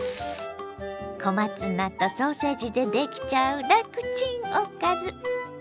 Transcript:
小松菜とソーセージでできちゃう楽チンおかず。